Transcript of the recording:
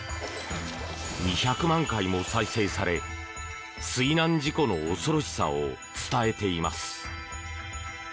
２００万回も再生され水難事故の恐ろしさを伝えています。